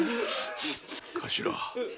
頭。